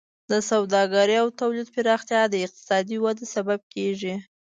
د سوداګرۍ او تولید پراختیا د اقتصادي وده سبب کیږي.